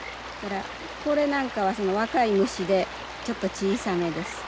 これなんかは若い虫でちょっと小さめです。